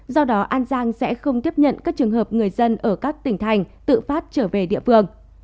do đó an giang sẽ không tiếp nhận các trường hợp người dân ở các tỉnh thành tự phát trở về địa phương